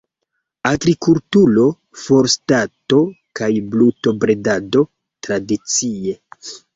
Agrikulturo, forstado kaj brutobredado tradicie.